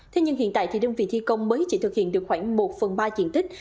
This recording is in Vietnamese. thế nhưng hiện tại thì đơn vị thi công mới chỉ thực hiện được khoảng một phần ba diện tích